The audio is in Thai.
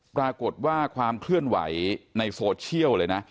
ปรากฏว่าความเคลื่อนไหวในโซเชียลเลยนะ